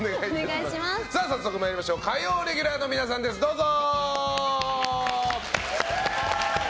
早速参りましょう火曜レギュラーの皆さんですどうぞ！